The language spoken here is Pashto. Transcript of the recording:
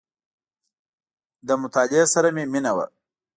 • له مطالعې سره مې مینه وه.